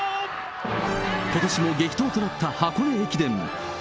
ことしも激闘となった箱根駅伝。